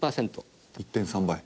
１．３倍。